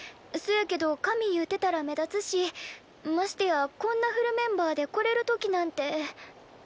そやけどかみゆうてたら目立つしましてやこんなフルメンバーで来れる時なんて。